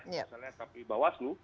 misalnya kpu dan mbak waslu